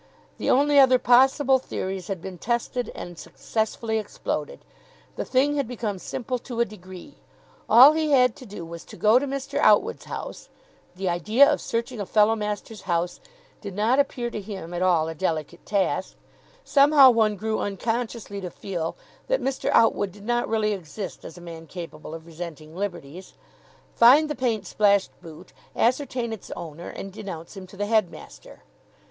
The only other possible theories had been tested and successfully exploded. The thing had become simple to a degree. All he had to do was to go to Mr. Outwood's house the idea of searching a fellow master's house did not appear to him at all a delicate task; somehow one grew unconsciously to feel that Mr. Outwood did not really exist as a man capable of resenting liberties find the paint splashed boot, ascertain its owner, and denounce him to the headmaster.